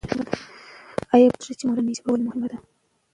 آیا پوهېږې چې مورنۍ ژبه ولې مهمه ده؟